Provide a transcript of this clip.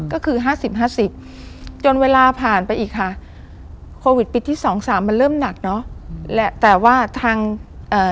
ก็คือห้าสิบห้าสิบจนเวลาผ่านไปอีกค่ะโควิดปีที่สองสามมันเริ่มหนักเนอะแหละแต่ว่าทางเอ่อ